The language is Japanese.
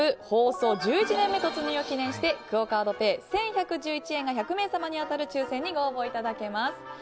放送１１年目突入を記念してクオ・カードペイ１１１１円分が１００名様に当たる抽選にご応募いただけます。